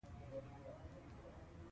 نیمیبیا د سویلي افریقا رینډ کاروي.